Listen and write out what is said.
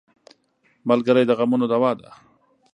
ملګری د غمونو دوا ده.